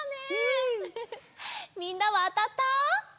みんなはあたった？